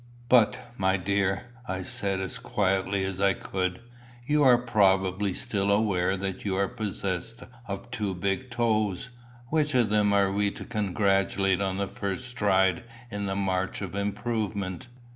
"But, my dear," I said, as quietly as I could, "you are probably still aware that you are possessed of two big toes: which of them are we to congratulate on this first stride in the march of improvement?"